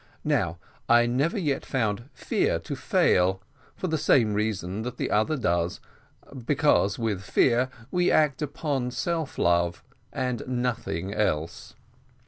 Now I never yet found fear to fail, for the very same reason that the other does, because with fear we act upon self love, and nothing else."